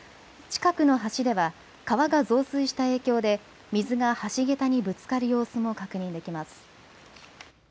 近くの橋では、川が増水した影響で、水が橋桁にぶつかる様子も確認できます。